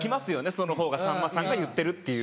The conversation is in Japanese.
そのほうがさんまさんが言ってるっていう。